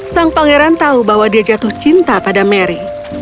sang pangeran tahu bahwa dia jatuh cinta pada mary